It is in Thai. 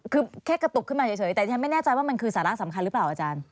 คือแค่กระตุกขึ้นมาเฉยแต่ที่ฉันไม่แน่ใจว่ามันคือสาระสำคัญหรือเปล่าอาจารย์